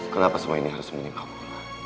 kenapa semua ini harus menyingkirkan wulan